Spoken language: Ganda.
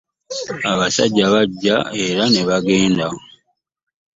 Abasajja bajja era ne bagenda.